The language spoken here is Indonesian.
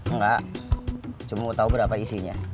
enggak cuma mau tau berapa isinya